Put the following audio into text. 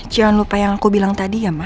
jangan lupa yang aku bilang tadi ya mas